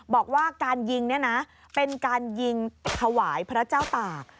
บอกว่าการยิงเนี่ยนะเป็นการยิงถวายพระเจ้าตาก